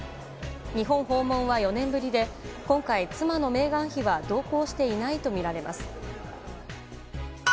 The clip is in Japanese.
日本訪問は４年ぶりで今回、妻のメーガン妃は同行していないとみられます。